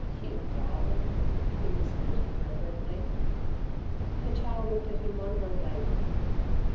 "Choot, darlin'," he whispered, reverently. The child looked at him wonderingly.